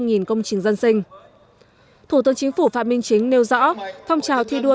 nghìn công trình dân sinh thủ tướng chính phủ phạm minh chính nêu rõ phong trào thi đua